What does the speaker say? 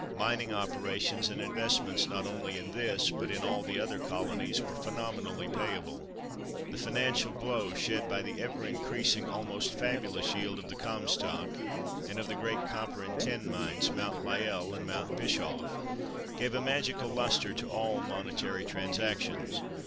Mining operations and investments not only in this, but in all the other colonies, were phenomenally payable. The financial glow shed by the ever increasing, almost fabulous yield of the Comstock, and of the great copper and tin mines, Mount Lyell and Mount Bischoff, gave a magical lustre to all monetary transactions.